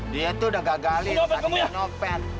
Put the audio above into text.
dia tuh udah gagalin tadi nyopet